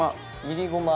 いりごま。